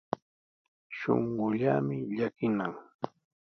Shuqullaami llakinan.